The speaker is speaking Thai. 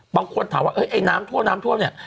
บางคนถามว่าไอ้น้ำท่วมน้ำท่วมเนี่ย